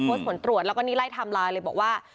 ผลตรวจแล้วก็นี่ไล่ไทม์ไลน์เลยบอกว่า